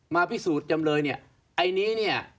พิสูจน์จำเลยเนี่ยไอ้นี้เนี่ย